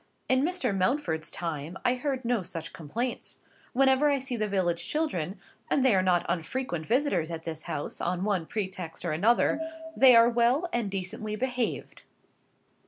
"In Mr. Mountford's time I heard no such complaints: whenever I see the village children (and they are not unfrequent visitors at this house, on one pretext or another), they are well and decently behaved."